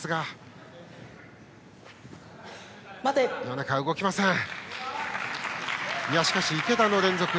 米川、動きません。